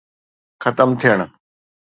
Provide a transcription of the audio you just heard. ختم ٿيڻ.